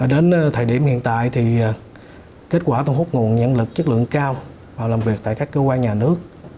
đến thời điểm hiện tại thì kết quả thu hút nguồn nhân lực chất lượng cao vào làm việc tại các cơ quan nhà nước